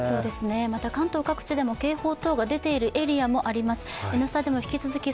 また関東各地でも警報等が出ている地域もあります。